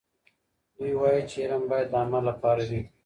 دوی وایي چې علم باید د عمل لپاره وي.